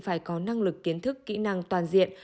phải có năng lực kiến thức kỹ năng toàn diện